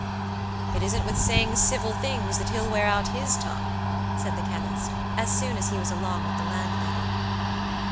"It isn't with saying civil things that he'll wear out his tongue," said the chemist, as soon as he was along with the landlady.